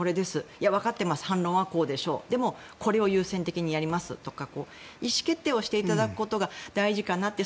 いや、わかっています反論はこうでしょうでもこれを優先的にやりますとか意思決定をしていただくことが大事かなと。